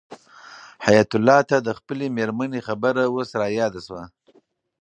حیات الله ته د خپلې مېرمنې خبره اوس رایاده شوه.